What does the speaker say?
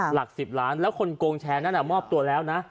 หลัก๑๐ล้านแล้วคนโกงแชร์นั้นมอบตัวแล้วนะ